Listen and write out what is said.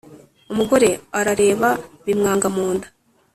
Umugore arareba, bimwanga mu nda,